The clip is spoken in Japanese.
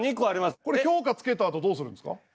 これ評価つけたあとどうするんですか？